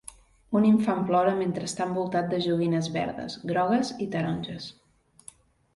Un infant plora mentre està envoltat de joguines verdes, grogues i taronges.